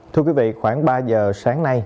thưa quý vị khoảng ba giờ sáng nay